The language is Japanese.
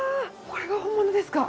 これが本物ですか？